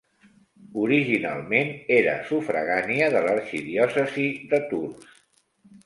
Originalment era sufragània de l'arxidiòcesi de Tours.